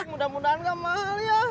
mudah mudahan gak mahal ya